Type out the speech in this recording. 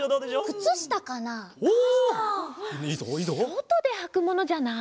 そとではくものじゃない？